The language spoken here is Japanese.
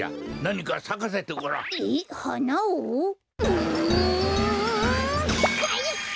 うんかいか！